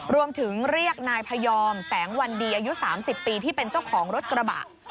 เรียกนายพยอมแสงวันดีอายุ๓๐ปีที่เป็นเจ้าของรถกระบะ